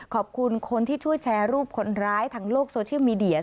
ขอบคุณคนที่ช่วยแชร์รูปคนร้ายทางโลกโซเชียลมีเดีย